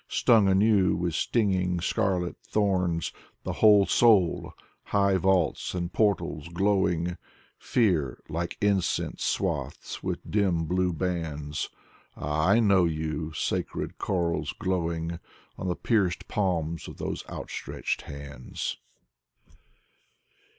Stung anew with stinging scarlet thorns ! The whole soul, high vaults and portals glowing, Fear like incense swathes with dim blue bands: Ah, I know you, sacred corals, growing On the pierced palms of these outstretched hands.